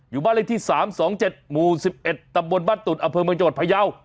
บ้านเลขที่๓๒๗หมู่๑๑ตำบลบ้านตุ่นอำเภอเมืองจังหวัดพยาว